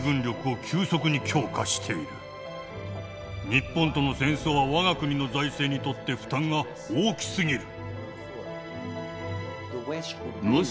日本との戦争は我が国の財政にとって負担が大きすぎる。